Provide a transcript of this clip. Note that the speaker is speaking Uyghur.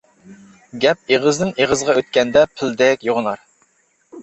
گەپ ئېغىزدىن ئېغىزغا ئۆتكەندە پىلدەك يوغىنار.